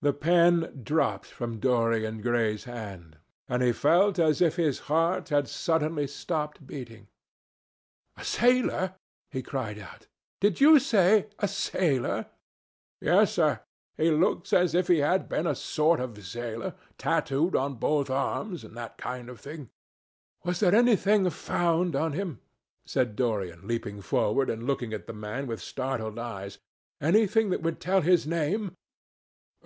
The pen dropped from Dorian Gray's hand, and he felt as if his heart had suddenly stopped beating. "A sailor?" he cried out. "Did you say a sailor?" "Yes, sir. He looks as if he had been a sort of sailor; tattooed on both arms, and that kind of thing." "Was there anything found on him?" said Dorian, leaning forward and looking at the man with startled eyes. "Anything that would tell his name?"